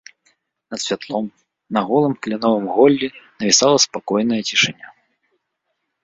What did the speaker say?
Над святлом, на голым кляновым голлі, навісала спакойная цішыня.